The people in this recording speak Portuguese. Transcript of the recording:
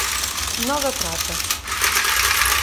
Nova Prata